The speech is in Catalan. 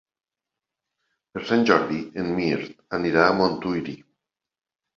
Per Sant Jordi en Mirt anirà a Montuïri.